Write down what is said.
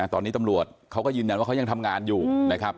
ตอนนี้ตำรวจเขาก็ยืนยันว่าเขายังทำงานอยู่นะครับ